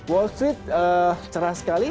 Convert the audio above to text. wall street cerah sekali